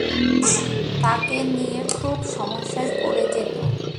তাকে নিয়ে খুব সমস্যায় পড়ে যেত।